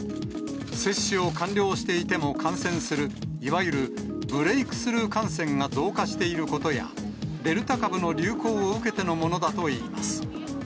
接種を完了していても感染する、いわゆるブレークスルー感染が増加していることや、デルタ株の流行を受けてのものだといいます。